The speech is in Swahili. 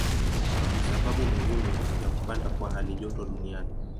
Ni sababu muhimu ya kupanda kwa halijoto duniani.